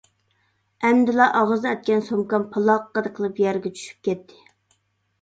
ئەمدىلا ئاغزىنى ئەتكەن سومكام پالاققىدە قىلىپ يەرگە چۈشۈپ كەتتى.